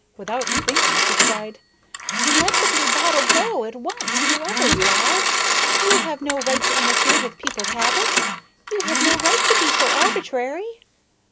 Without thinking, she cried: "Let the blue bottle go, at once, whoever you are. You have no right to interfere with people's habits. You have no right to be so arbitrary."